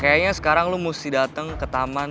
sepertinya sekarang kamu harus datang ke taman